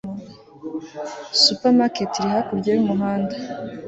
supermarket iri hakurya yumuhanda